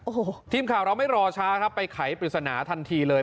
โอ้โหทีมข่าวเราไม่รอช้าครับไปไขปริศนาทันทีเลย